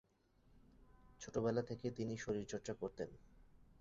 ছোটবেলা থেকে তিনি শরীরচর্চা করতেন।